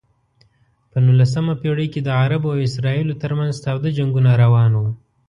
په نولسمه پېړۍ کې د عربو او اسرائیلو ترمنځ تاوده جنګونه روان و.